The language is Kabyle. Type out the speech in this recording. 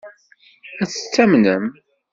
Ad t-tamnem?